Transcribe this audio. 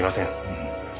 うん。